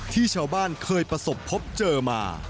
ที่ชาวบ้านเคยประสบพบเจอมา